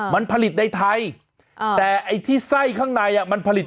มันผลิตในไทยแต่ไอที่ไส้ข้างนายอะยังมันผลิต